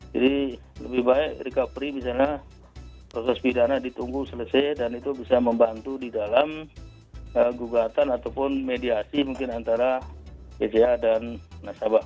jadi lebih baik rika prih misalnya proses pidana ditunggu selesai dan itu bisa membantu di dalam gugatan ataupun mediasi mungkin antara bca dan nasabah